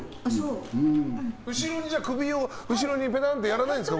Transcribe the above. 後ろに首をペタンってやらないんですか？